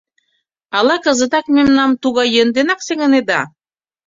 — Ала кызытак мемнам тугай йӧн денак сеҥынеда?